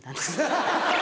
ハハハハ！